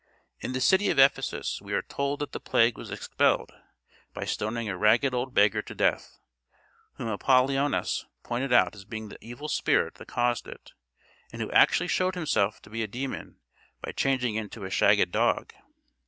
In the city of Ephesus, we are told that the plague was expelled by stoning a ragged old beggar to death, whom Apollonius pointed out as being the evil spirit that caused it, and who actually showed himself to be a demon by changing into a shagged dog.